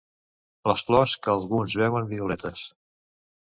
Les flors que alguns veuen violetes.